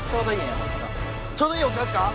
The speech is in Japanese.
ちょうどいい大きさですか？